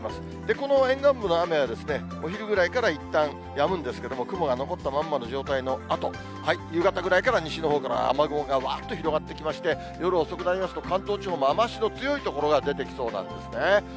この沿岸部の雨はお昼ぐらいからいったんやむんですけれども、雲が残ったまんまの状態のあと、夕方ぐらいから西のほうから雨雲がわーっと広がってきまして、夜遅くなりますと、関東地方も雨足の強い所が出てきそうなんですね。